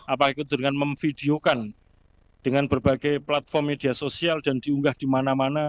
apa ikut dengan memvideokan dengan berbagai platform media sosial dan diunggah di mana mana